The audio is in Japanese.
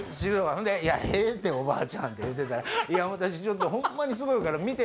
ほんで「いやええっておばあちゃん」って言うてたら「いや私ホンマにすごいから見て」